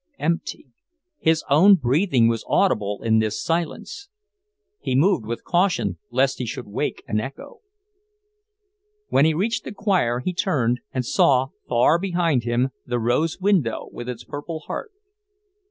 empty. His own breathing was audible in this silence. He moved with caution lest he should wake an echo. When he reached the choir he turned, and saw, far behind him, the rose window, with its purple heart.